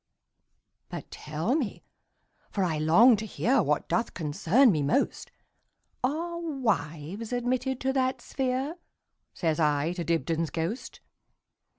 "But tell me, for I long to hearWhat doth concern me most, Are wives admitted to that sphere?"Says I to Dibdin's ghost.